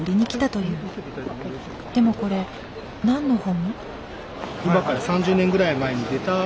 でもこれ何の本？